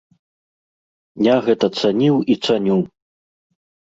Я гэта цаніў і цаню!